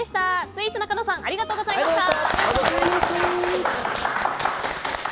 スイーツなかのさんありがとうございました。